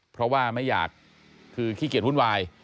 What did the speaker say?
เพราะว่าไม่อยากคือขี้เกียจวุ่นวาย